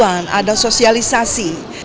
ada pemanduan ada sosialisasi